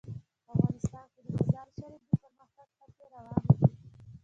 افغانستان کې د مزارشریف د پرمختګ هڅې روانې دي.